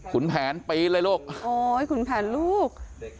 คุณแผนปีนเลยลูกโอ๊ยขุนแผนลูก